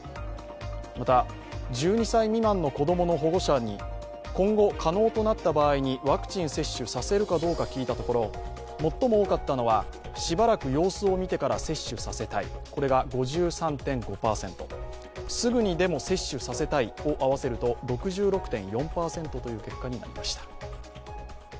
また、１２歳未満の子供の保護者に今後可能となった場合にワクチン接種をさせるか聞いたところ最も多かったのはしばらく様子を見てから接種させたいが５３．５％すぐにでも接種させたいを合わせると６６．４％という結果になりました。